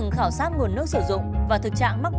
không nhẵn mát